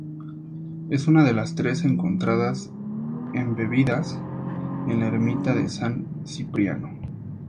Es una de las tres encontradas embebidas en la ermita de San Cipriano.